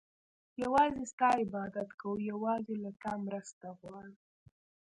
يوازي ستا عبادت كوو او يوازي له تا مرسته غواړو